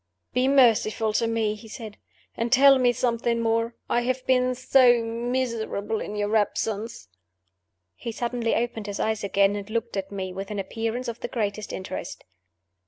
"Be merciful to me," he said, "and tell me something more. I have been so miserable in your absence." He suddenly opened his eyes again, and looked at me with an appearance of the greatest interest.